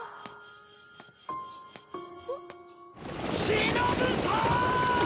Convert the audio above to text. ・しのぶさん！